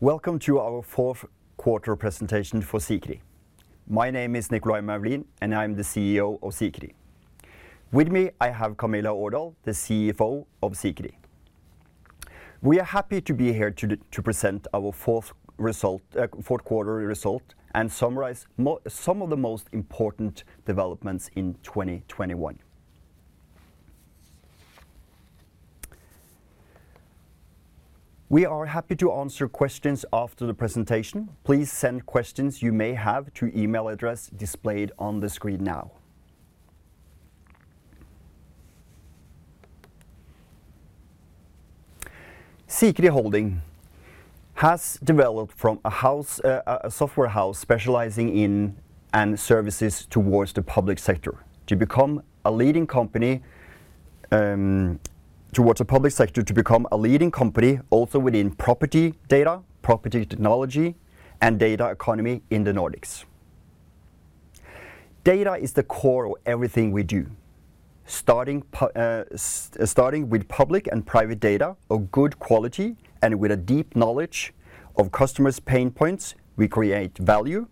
Welcome to our fourth quarter presentation for Sikri. My name is Nicolay Moulin, and I'm the CEO of Sikri. With me, I have Camilla Aardal, the CFO of Sikri. We are happy to be here to present our fourth quarter result and summarize some of the most important developments in 2021. We are happy to answer questions after the presentation. Please send questions you may have to email address displayed on the screen now. Sikri Holding has developed from a software house specializing in and services towards the public sector to become a leading company also within property data, property technology, and data economy in the Nordics. Data is the core of everything we do. Starting with public and private data of good quality and with a deep knowledge of customers' pain points, we create value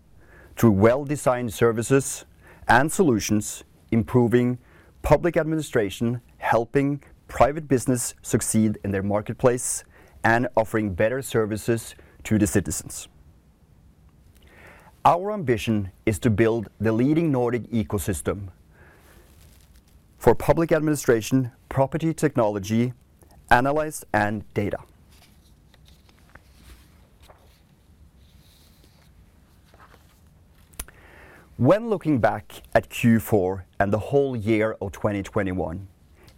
through well-designed services and solutions, improving public administration, helping private business succeed in their marketplace, and offering better services to the citizens. Our ambition is to build the leading Nordic ecosystem for public administration, property technology, analysis and data. When looking back at Q4 and the whole year of 2021,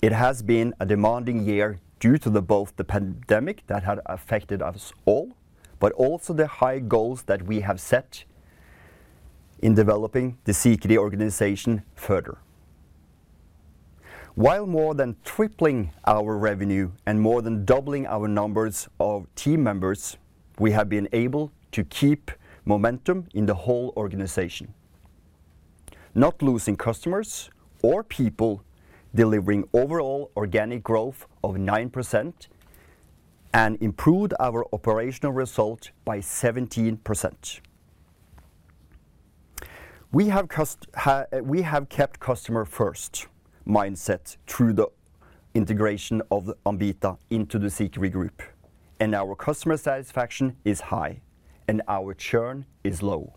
it has been a demanding year due to both the pandemic that had affected us all, but also the high goals that we have set in developing the Sikri organization further. While more than tripling our revenue and more than doubling our numbers of team members, we have been able to keep momentum in the whole organization, not losing customers or people, delivering overall organic growth of 9% and improved our operational result by 17%. We have kept customer first mindset through the integration of the Ambita into the Sikri Group, and our customer satisfaction is high, and our churn is low.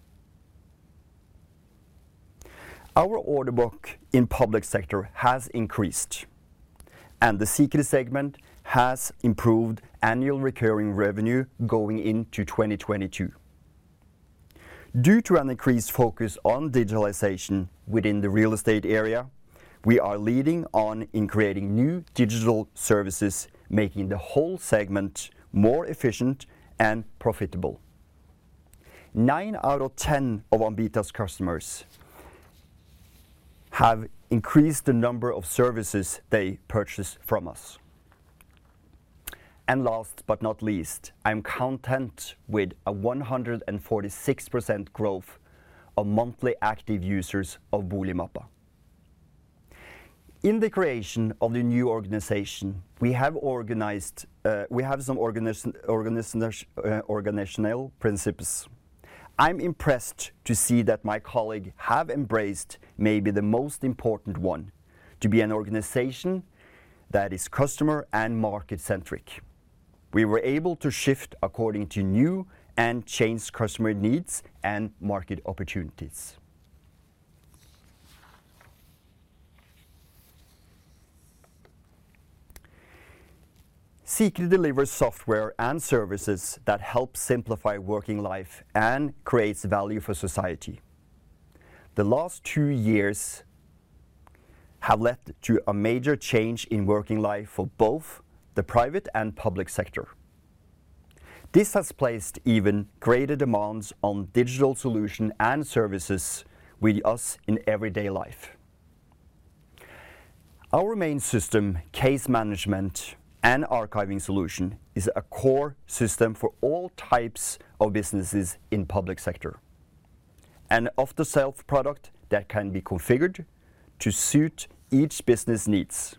Our order book in public sector has increased, and the Sikri segment has improved annual recurring revenue going into 2022. Due to an increased focus on digitalization within the real estate area, we are leading on in creating new digital services, making the whole segment more efficient and profitable. Nine out of 10 of Ambita's customers have increased the number of services they purchase from us. And last but not least. I'm content with a 146% growth of monthly active users of Boligmappa. In the creation of the new organization, we have some organizational principles. I'm impressed to see that my colleague have embraced maybe the most important one, to be an organization that is customer and market-centric. We were able to shift according to new and changed customer needs and market opportunities. Sikri delivers software and services that help simplify working life and creates value for society. The last two years have led to a major change in working life for both the private and public sector. This has placed even greater demands on digital solution and services with us in everyday life. Our main system, case management and archiving solution, is a core system for all types of businesses in public sector, an off-the-shelf product that can be configured to suit each business needs.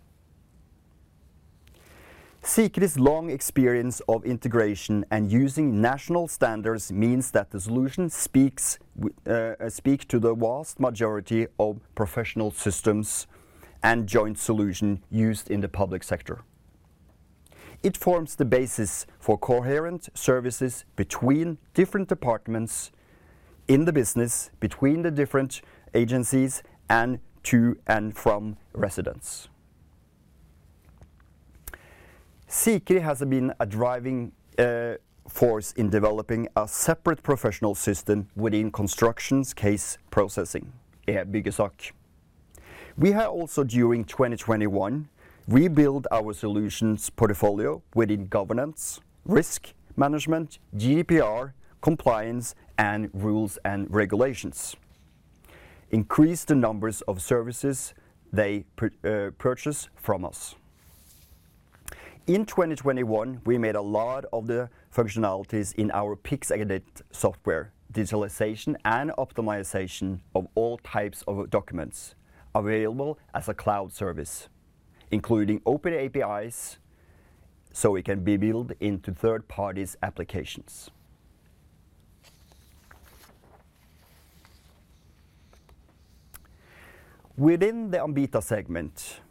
Sikri's long experience of integration and using national standards means that the solution speaks to the vast majority of professional systems and joint solution used in the public sector. It forms the basis for coherent services between different departments in the business, between the different agencies, and to and from residents. Sikri has been a driving force in developing a separate professional system within construction case processing, eByggesak. We have also, during 2021, rebuilt our solutions portfolio within governance, risk management, GDPR, compliance, and rules and regulations, increased the numbers of services they purchase from us. In 2021, we made a lot of the functionalities in our PixEdit software, digitalization and optimization of all types of documents available as a cloud service, including open APIs, so it can be built into third parties' applications. Within the Ambita segment,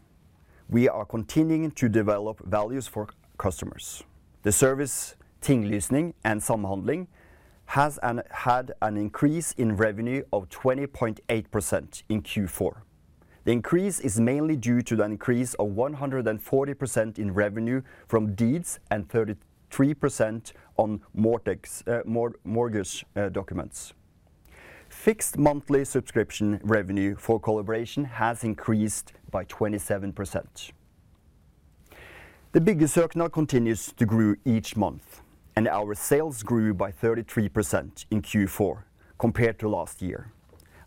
we are continuing to develop values for customers. The service Tinglysning og Samhandling had an increase in revenue of 20.8% in Q4. The increase is mainly due to the increase of 140% in revenue from deeds and 33% on mortgage documents. Fixed monthly subscription revenue for Samhandling has increased by 27%. The Byggesøknad continues to grow each month, and our sales grew by 33% in Q4 compared to last year.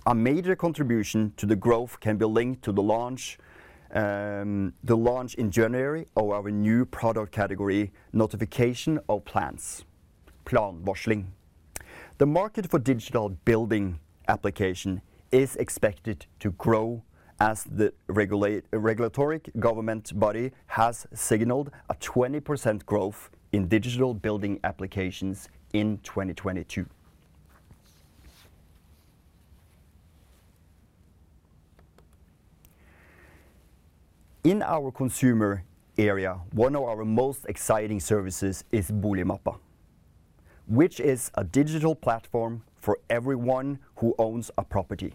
A major contribution to the growth can be linked to the launch in January of our new product category, Notification of Plans, planvarsling. The market for digital building application is expected to grow as the regulatory government body has signaled a 20% growth in digital building applications in 2022. In our consumer area, one of our most exciting services is Boligmappa, which is a digital platform for everyone who owns a property.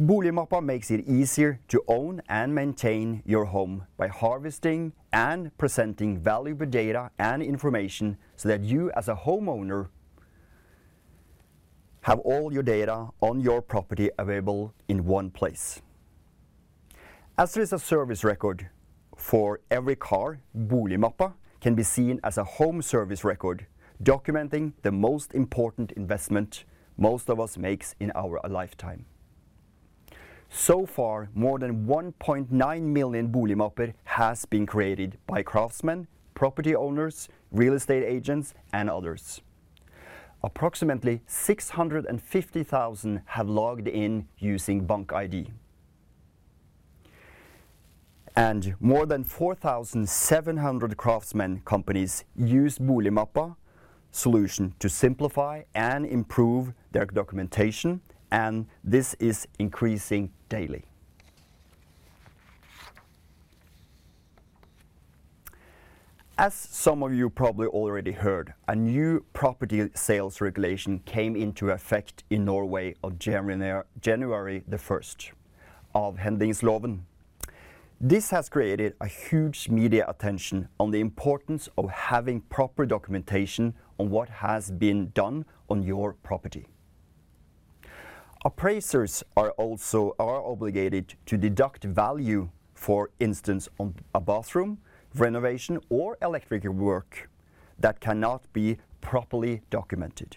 Boligmappa makes it easier to own and maintain your home by harvesting and presenting valuable data and information so that you as a homeowner have all your data on your property available in one place. As there is a service record for every car, Boligmappa can be seen as a home service record documenting the most important investment most of us makes in our lifetime. So far, more than 1.9 million Boligmappa has been created by craftsmen, property owners, real estate agents, and others. Approximately 650,000 have logged in using BankID. More than 4,700 craftsmen companies use Boligmappa solution to simplify and improve their documentation, and this is increasing daily. As some of you probably already heard, a new property sales regulation came into effect in Norway as of January 1st, Avhendingsloven. This has created a huge media attention on the importance of having proper documentation on what has been done on your property. Appraisers are also obligated to deduct value, for instance, on a bathroom renovation or electrical work that cannot be properly documented.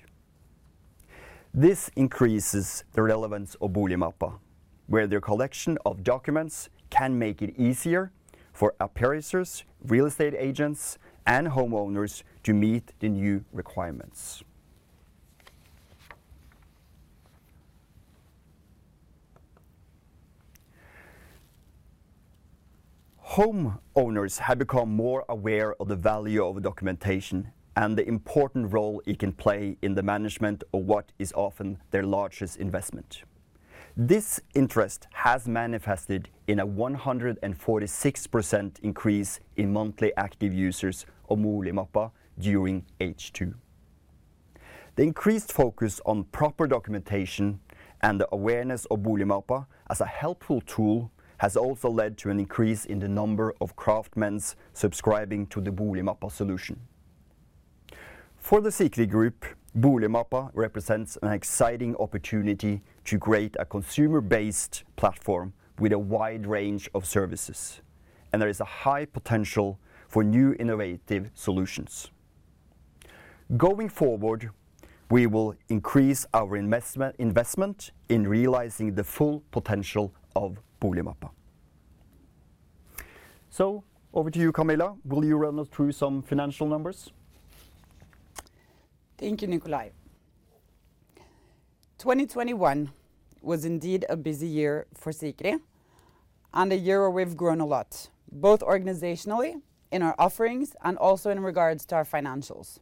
This increases the relevance of Boligmappa, where their collection of documents can make it easier for appraisers, real estate agents, and homeowners to meet the new requirements. Homeowners have become more aware of the value of documentation and the important role it can play in the management of what is often their largest investment. This interest has manifested in a 146% increase in monthly active users of Boligmappa during H2. The increased focus on proper documentation and the awareness of Boligmappa as a helpful tool has also led to an increase in the number of craftsmen subscribing to the Boligmappa solution. For the Sikri Group, Boligmappa represents an exciting opportunity to create a consumer-based platform with a wide range of services, and there is a high potential for new innovative solutions. Going forward, we will increase our investment in realizing the full potential of Boligmappa. Over to you, Camilla. Will you run us through some financial numbers? Thank you, Nicolay. 2021 was indeed a busy year for Sikri and a year where we've grown a lot, both organizationally in our offerings and also in regards to our financials.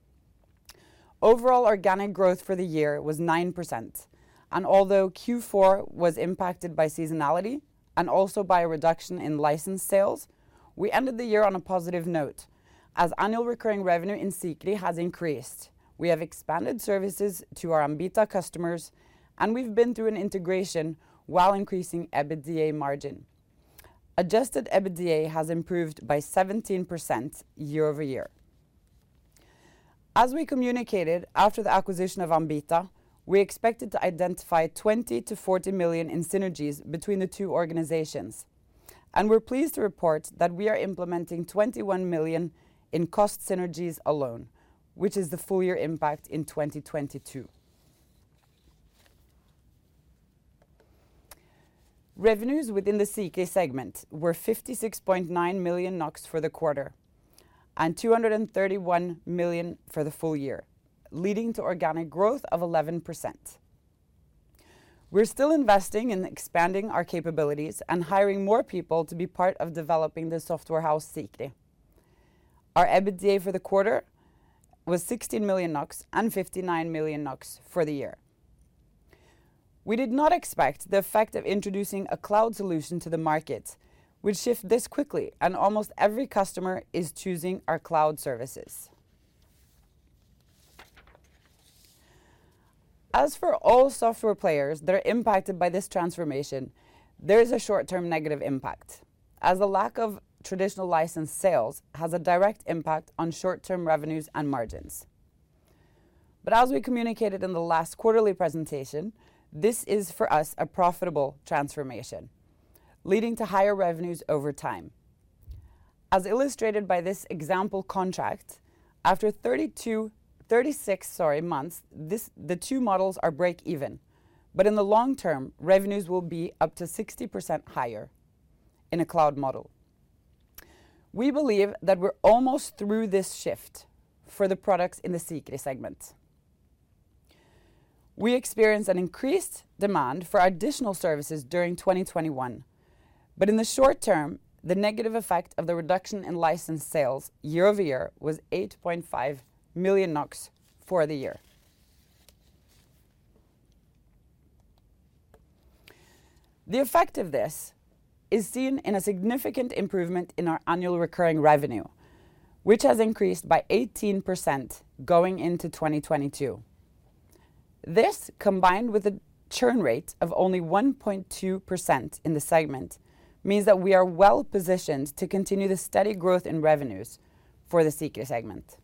Overall organic growth for the year was 9%, and although Q4 was impacted by seasonality and also by a reduction in license sales, we ended the year on a positive note, as annual recurring revenue in Sikri has increased. We have expanded services to our Ambita customers, and we've been through an integration while increasing EBITDA margin. Adjusted EBITDA has improved by 17% year-over-year. As we communicated after the acquisition of Ambita, we expected to identify 20-40 million in synergies between the two organizations, and we're pleased to report that we are implementing 21 million in cost synergies alone, which is the full year impact in 2022. Revenues within the Sikri segment were 56.9 million NOK for the quarter and 231 million for the full year, leading to organic growth of 11%. We're still investing in expanding our capabilities and hiring more people to be part of developing the software house Sikri. Our EBITDA for the quarter was 16 million NOK and 59 million NOK for the year. We did not expect the effect of introducing a cloud solution to the market would shift this quickly, and almost every customer is choosing our cloud services. As for all software players that are impacted by this transformation, there is a short-term negative impact, as the lack of traditional licensed sales has a direct impact on short-term revenues and margins. As we communicated in the last quarterly presentation, this is for us a profitable transformation, leading to higher revenues over time. As illustrated by this example contract, after 36 months, the two models are break-even. But in the long term, revenues will be up to 60% higher in a cloud model. We believe that we're almost through this shift for the products in the Sikri segment. We experienced an increased demand for additional services during 2021, but in the short term, the negative effect of the reduction in licensed sales year-over-year was 8.5 million NOK for the year. The effect of this is seen in a significant improvement in our annual recurring revenue, which has increased by 18% going into 2022. This, combined with a churn rate of only 1.2% in the segment, means that we are well-positioned to continue the steady growth in revenues for the Sikri segment.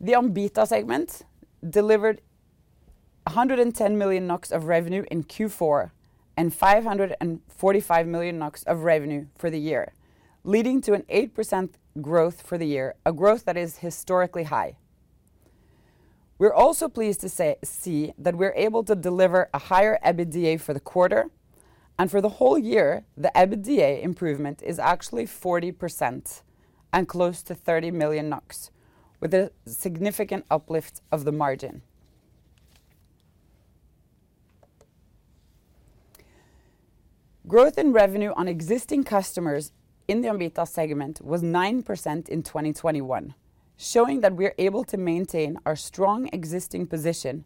The Ambita segment delivered 110 million NOK of revenue in Q4, and 545 million NOK of revenue for the year, leading to 8% growth for the year, a growth that is historically high. We're also pleased to see that we're able to deliver a higher EBITDA for the quarter, and for the whole year, the EBITDA improvement is actually 40% and close to 30 million NOK, with a significant uplift of the margin. Growth in revenue on existing customers in the Ambita segment was 9% in 2021, showing that we are able to maintain our strong existing position,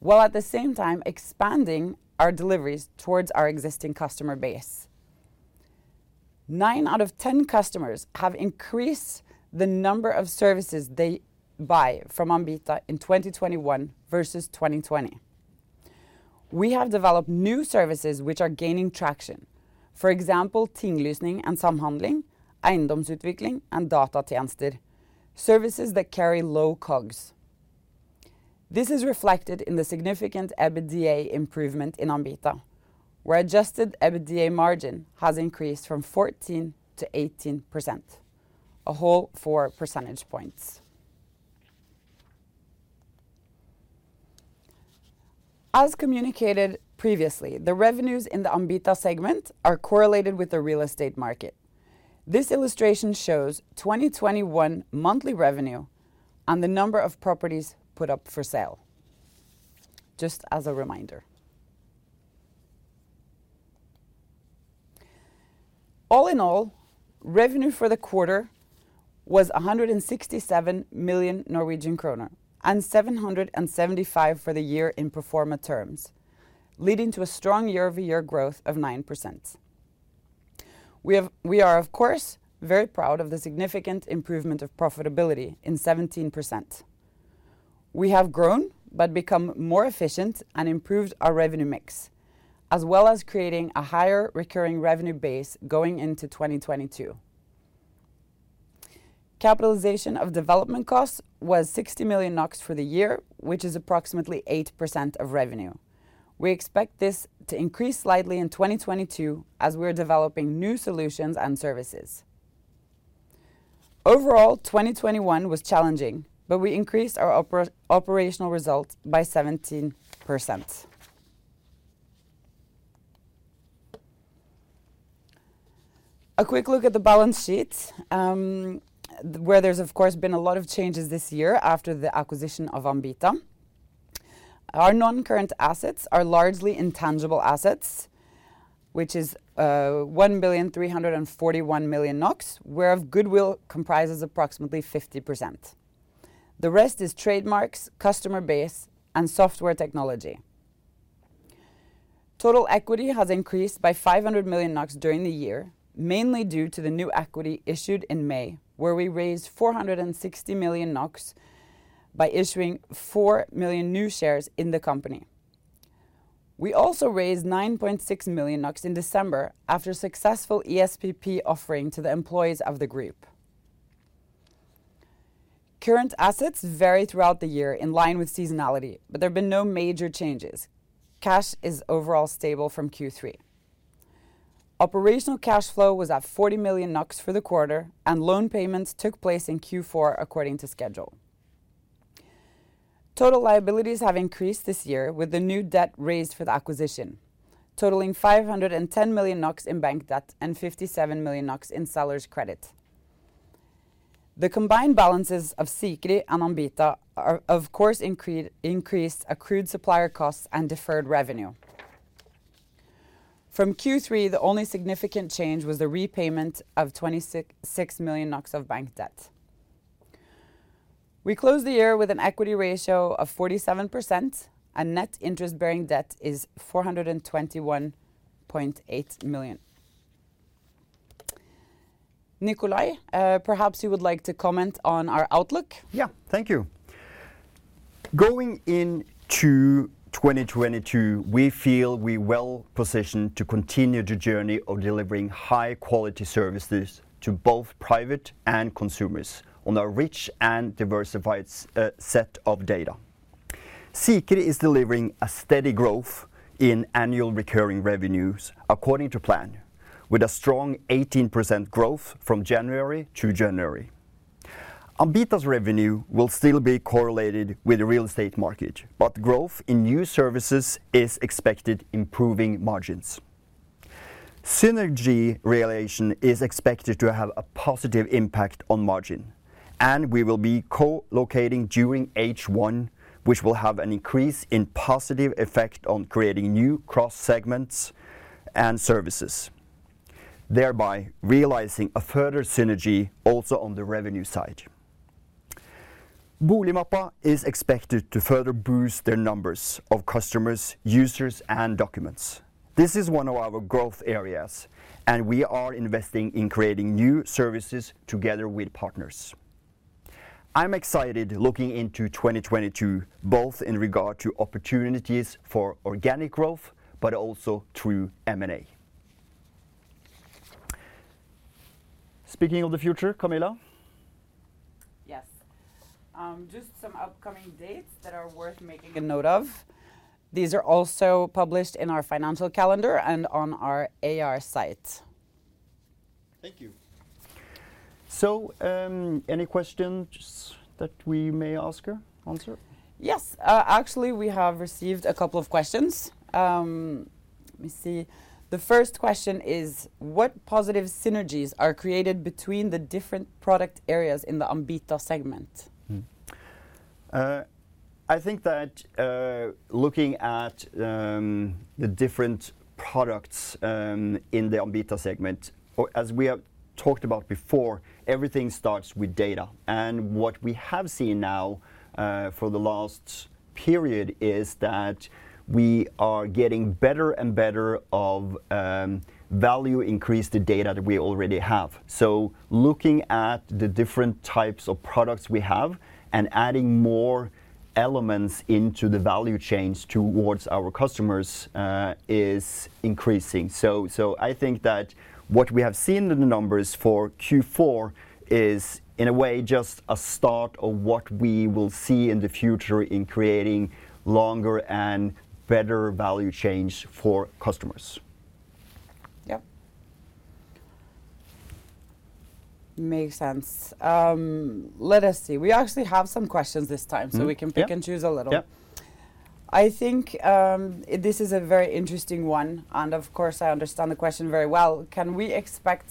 while at the same time expanding our deliveries towards our existing customer base. Nine out of 10 customers have increased the number of services they buy from Ambita in 2021 versus 2020. We have developed new services which are gaining traction. For example, Tinglysning og Samhandling, Eiendomsutvikling, and Datatjenester, services that carry low COGS. This is reflected in the significant EBITDA improvement in Ambita, where adjusted EBITDA margin has increased from 14% to 18%, a whole 4% points. As communicated previously, the revenues in the Ambita segment are correlated with the real estate market. This illustration shows 2021 monthly revenue and the number of properties put up for sale, just as a reminder. All in all, revenue for the quarter was 167 million Norwegian kroner, and 775 for the year in pro forma terms, leading to a strong year-over-year growth of 9%. We are of course very proud of the significant improvement of profitability in 17%. We have grown, but become more efficient and improved our revenue mix, as well as creating a higher recurring revenue base going into 2022. Capitalization of development costs was 60 million NOK for the year, which is approximately 8% of revenue. We expect this to increase slightly in 2022 as we are developing new solutions and services. Overall, 2021 was challenging, but we increased our operational results by 17%. A quick look at the balance sheet, where there's of course been a lot of changes this year after the acquisition of Ambita. Our non-current assets are largely intangible assets, which is 1,341 million NOK, whereof goodwill comprises approximately 50%. The rest is trademarks, customer base, and software technology. Total equity has increased by 500 million NOK during the year, mainly due to the new equity issued in May, where we raised 460 million NOK by issuing 4 million new shares in the company. We also raised 9.6 million NOK in December after successful ESPP offering to the employees of the group. Current assets vary throughout the year in line with seasonality, but there have been no major changes. Cash is overall stable from Q3. Operational cash flow was at 40 million for the quarter, and loan payments took place in Q4 according to schedule. Total liabilities have increased this year with the new debt raised for the acquisition, totaling 510 million NOK in bank debt and 57 million NOK in sellers' credit. The combined balances of Sikri and Ambita are of course increased accrued supplier costs and deferred revenue. From Q3, the only significant change was the repayment of 26.6 million NOK of bank debt. We closed the year with an equity ratio of 47%. Net interest-bearing debt is NOK 421.8 million. Nicolay, perhaps you would like to comment on our outlook. Thank you. Going into 2022, we feel well-positioned to continue the journey of delivering high-quality services to both private and consumers on a rich and diversified set of data. Sikri is delivering a steady growth in annual recurring revenues according to plan, with a strong 18% growth from January-to-January. Ambita's revenue will still be correlated with the real estate market, but growth in new services is expected to improve margins. Synergy realization is expected to have a positive impact on margin, and we will be co-locating during H1, which will have an increasingly positive effect on creating new cross-segment services, thereby realizing a further synergy also on the revenue side. Boligmappa is expected to further boost their numbers of customers, users, and documents. This is one of our growth areas, and we are investing in creating new services together with partners. I'm excited looking into 2022, both in regard to opportunities for organic growth, but also through M&A. Speaking of the future, Camilla? Yes. Just some upcoming dates that are worth making a note of. These are also published in our financial calendar and on our IR site. Thank you. Any questions that we may ask or, answer? Yes. Actually, we have received a couple of questions. Let me see. The first question is, "What positive synergies are created between the different product areas in the Ambita segment? I think that looking at the different products in the Ambita segment, or as we have talked about before, everything starts with data. What we have seen now for the last period is that we are getting better and better at increasing the value of the data that we already have. Looking at the different types of products we have and adding more elements into the value chains towards our customers is increasing. I think that what we have seen in the numbers for Q4 is, in a way, just a start of what we will see in the future in creating longer and better value chains for customers. Yep. Makes sense. Let us see. We actually have some questions this time. Mm-hmm. Yep We can pick and choose a little. Yep. I think, this is a very interesting one, and of course I understand the question very well. "Can we expect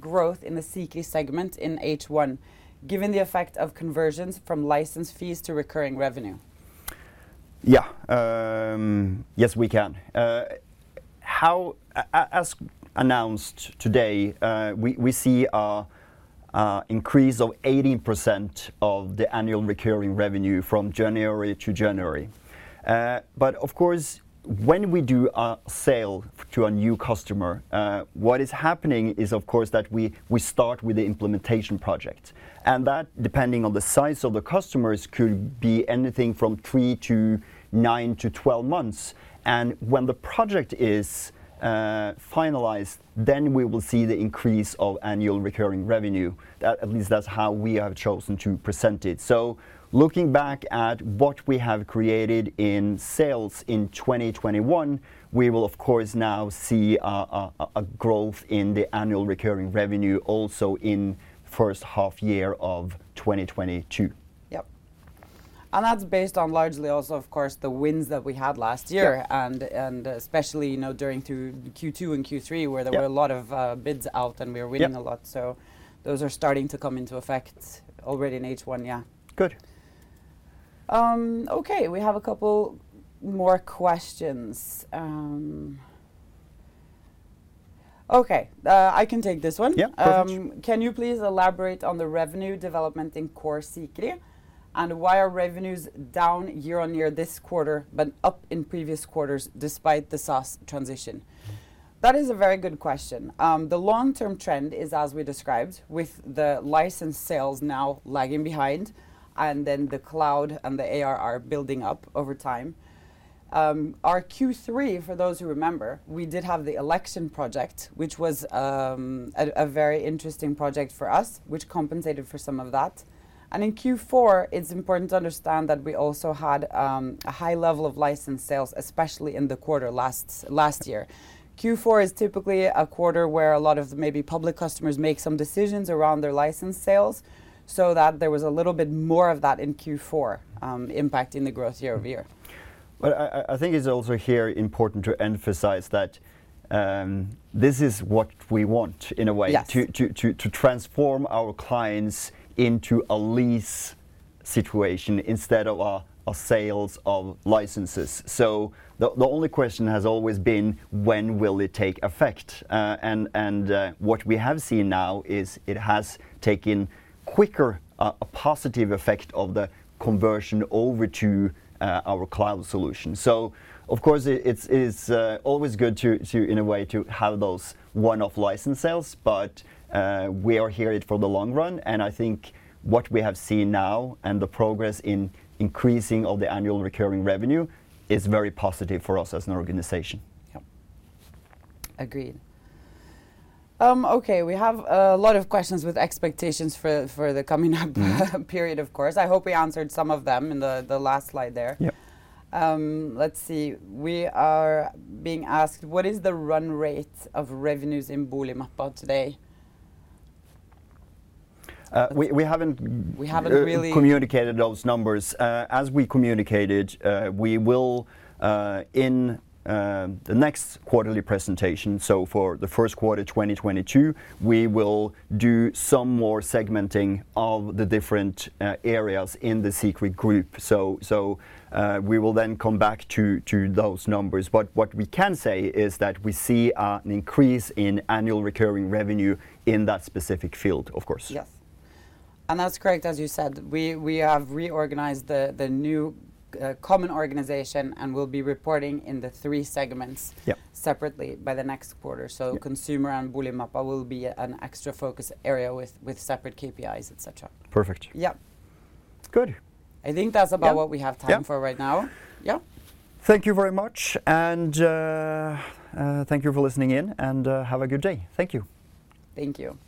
growth in the Sikri segment in H1 given the effect of conversions from license fees to recurring revenue? Yeah. Yes, we can. As announced today, we see an increase of 80% of the annual recurring revenue from January-to-January. But of course, when we do a sale to a new customer, what is happening is, of course, that we start with the implementation project, and that, depending on the size of the customers, could be anything from three to nine to 12 months. When the project is finalized, then we will see the increase of annual recurring revenue. That, at least, that's how we have chosen to present it. Looking back at what we have created in sales in 2021, we will of course now see a growth in the annual recurring revenue also in first half year of 2022. Yep. That's based on largely also, of course, the wins that we had last year. Yep Especially, you know, through Q2 and Q3. Yep Where there were a lot of bids out, and we are winning a lot. Yep. Those are starting to come into effect already in H1, yeah. Good. Okay, we have a couple more questions. Okay, I can take this one. Yeah. Perfect. Can you please elaborate on the revenue development in Sikri? And why are revenues down year-on-year this quarter, but up in previous quarters despite the SaaS transition?" That is a very good question. The long-term trend is as we described, with the license sales now lagging behind, and then the cloud and the ARR building up over time. Our Q3, for those who remember, we did have the election project, which was a very interesting project for us, which compensated for some of that. In Q4, it's important to understand that we also had a high level of license sales, especially in the quarter last year. Q4 is typically a quarter where a lot of maybe public customers make some decisions around their license sales, so that there was a little bit more of that in Q4, impacting the growth year-over-year. I think it's also very important to emphasize that this is what we want in a way. Yeah To transform our clients into a lease situation instead of a sales of licenses. The only question has always been when will it take effect? What we have seen now is it has taken quicker, a positive effect of the conversion over to our cloud solution. Of course it is always good, in a way, to have those one-off license sales, but we are in it for the long run. I think what we have seen now and the progress in increasing of the annual recurring revenue is very positive for us as an organization. Yep. Agreed. Okay, we have a lot of questions with expectations for the coming up period, of course. I hope we answered some of them in the last slide there. Yep. Let's see. We are being asked, what is the run rate of revenues in Boligmappa today? We haven't.. We haven't really- Communicated those numbers. As we communicated, we will in the next quarterly presentation for the first quarter of 2022, we will do some more segmenting of the different areas in the Sikri Group. We will then come back to those numbers. What we can say is that we see an increase in annual recurring revenue in that specific field, of course. Yes. That's correct, as you said, we have reorganized the new common organization, and we'll be reporting in the three segments. Yep Separately by the next quarter. Yep. Consumer and Boligmappa will be an extra focus area with separate KPIs, et cetera. Perfect. Yep. Good. I think that's about. Yep What we have time for right now. Yep. Thank you very much, and thank you for listening in, and have a good day. Thank you. Thank you.